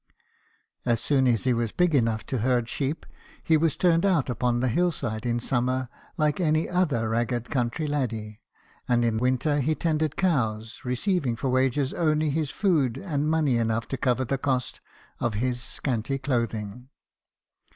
As soon as he was big enough to herd sheep, he was turned out upon the hillside in summer like any other ragged country laddie, and in winter he tended cows, receiving for wages only his food and money enough to cover the cost .of his scanty clothing.